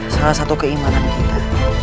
salah satu keimanan kita